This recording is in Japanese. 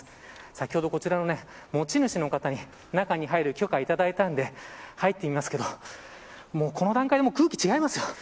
先ほど、こちらの持ち主の方に中に入る許可をいただいたので入ってみますがこの段階でも空気が違いますよ。